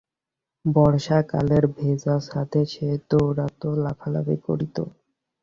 বর্ষাকালের ভেজা ছাদে সে দৌড়াত, লাফালাফি করত।